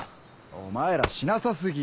お前らしなさ過ぎ。